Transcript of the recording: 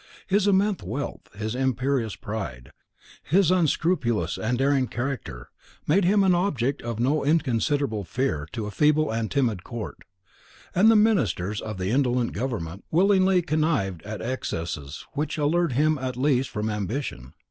His immense wealth, his imperious pride, his unscrupulous and daring character, made him an object of no inconsiderable fear to a feeble and timid court; and the ministers of the indolent government willingly connived at excesses which allured him at least from ambition.